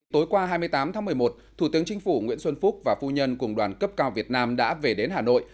tối qua hai mươi tám tháng một mươi một thủ tướng chính phủ nguyễn xuân phúc và phu nhân cùng đoàn cấp cao việt nam đã về đến hà nội